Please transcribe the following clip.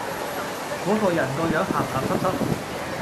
果個人個樣鹹鹹濕濕